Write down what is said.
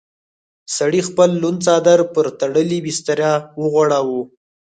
سړي خپل لوند څادر پر تړلې بستره وغوړاوه.